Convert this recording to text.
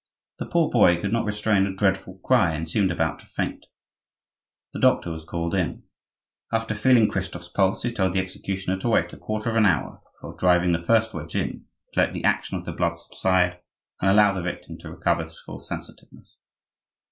The poor boy could not restrain a dreadful cry and seemed about to faint. The doctor was called in. After feeling Christophe's pulse, he told the executioner to wait a quarter of an hour before driving the first wedge in, to let the action of the blood subside and allow the victim to recover his full sensitiveness.